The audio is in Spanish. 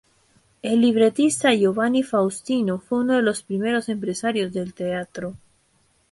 El libretista Giovanni Faustino fue uno de los primeros empresarios del teatro.